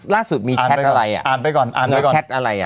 ล่าสุดมีแชทอะไรอ่ะ